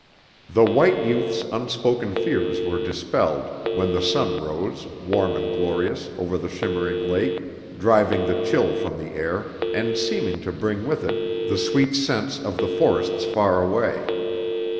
The white youth's unspoken fears were dispelled when the sun rose, warm and glorious, over the shimmering lake, driving the chill from the air, and seeming to bring with it the sweet scents of the forests far away.